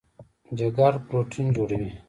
جګر پروټین جوړوي.